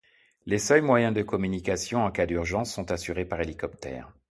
Les seuls moyens de communication, en cas d'urgence, sont assurés par hélicoptère.